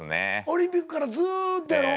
オリンピックからずっとやろ？